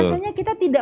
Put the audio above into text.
rasanya kita tidak